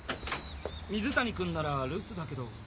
水谷君なら留守だけど。